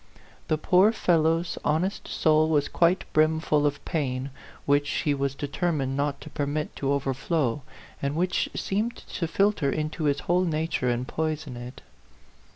The poor fellow's honest soul was quite brimful of pain, which he was determined not to permit to over flow, and which seemed to filter into his whole nature and poison it.